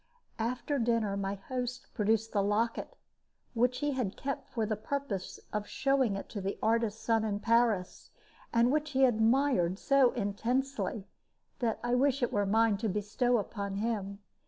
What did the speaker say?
After dinner my host produced the locket, which he had kept for the purpose of showing it to the artist's son in Paris, and which he admired so intensely that I wished it were mine to bestow on him.